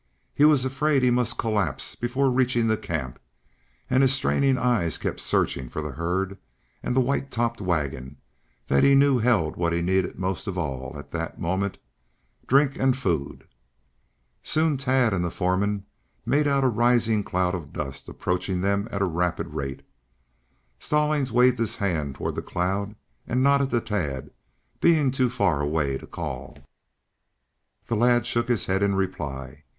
He was afraid he must collapse before reaching the camp, and his straining eyes kept searching for the herd and the white topped wagon that he knew held what he needed most of all at that moment drink and food! Soon Tad and the foreman made out a rising cloud of dust approaching them at a rapid rate. Stallings waved his hand toward the cloud and nodded to Tad, being too far away to call. The lad shook his head in reply.